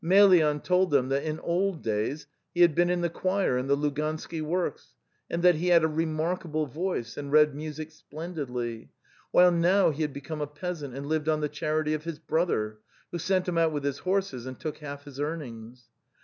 Emelyan told them that in old days he had been in the choir in the Lugansky works, and that he had a remarkable voice and read music splendidly, while now he had become a peasant and lived on the charity of his brother, who sent him out with his horses and took half his earnings.